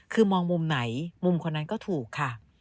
คือมองมุมไหนมุมคนนั้นก็ถูกค่ะ